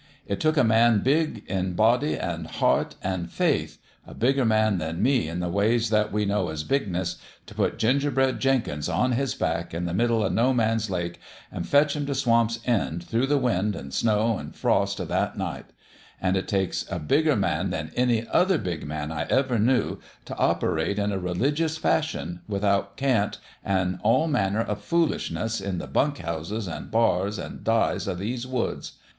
It took a man big in body an' heart an' faith a bigger man than me in the ways that we know as bigness t' put Gingerbread Jenkins on his back in the middle o' No Man's Lake an' fetch him t' Swamp's End through the wind an' snow an' frost o' that night ; an' it takes a bigger man than any other big man I ever knew t' operate in a religious fashion, without cant an' all manner o' foolishness, in the bunk houses an' bars an' dives o' these woods.